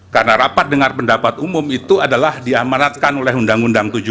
karena rapat dengar pendapat umum itu adalah diamanatkan oleh undang undang tujuh belas dua ribu tujuh